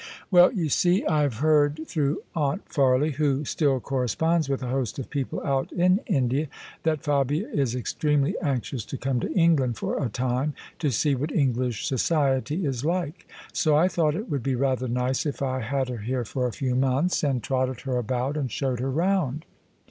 " Well, you see, I have heard through Aunt Farley, who still corresponds with a host of people out in India, that Fabia is extremely anxious to come to England for a time, to see what English society is like. So I thought it would be rather nice if I had her here for a few months, and trotted her about and showed her round."